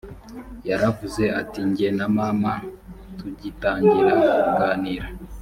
yaravuze ati jye na mama tugitangira kuganira